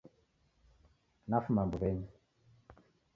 Nafuma mbuw'enyi